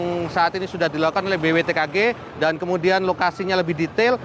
yang saat ini sudah dilakukan oleh bwtkg dan kemudian lokasinya lebih detail